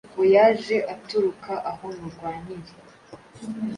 ngo yaje aturuka aho mu Rwankeri.